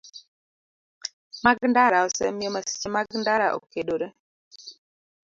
Mag ndara osemiyo masiche mag ndara okedore.